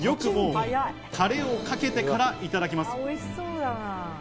タレをよくかけてからいただきます。